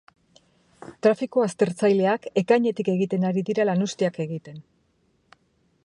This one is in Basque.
Trafiko aztertzaileak ekainetik egiten ari dira lanuzteak egiten.